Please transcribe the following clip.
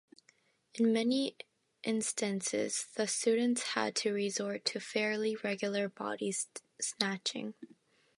In many instances the students had to resort to fairly regular body snatching.